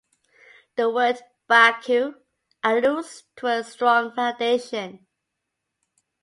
The word "bakau" alludes to a strong foundation.